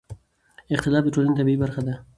اختلاف د ټولنې طبیعي برخه ده